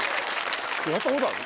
やったことある？